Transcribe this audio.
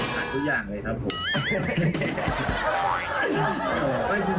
ทุกอย่างเลยครับผม